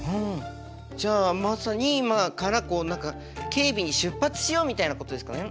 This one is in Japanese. じゃあまさに今からこう何か警備に出発しようみたいなことですかね？